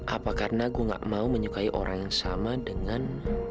apa karena aku gak mau menyukai orang yang sama dengan